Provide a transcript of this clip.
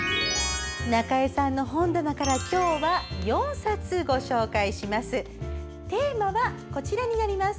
中江さんの本棚から今日は４冊ご紹介します。